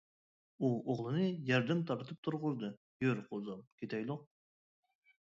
ئۇ ئوغلىنى يەردىن تارتىپ تۇرغۇزدى:-يۈر، قوزام، كېتەيلۇق.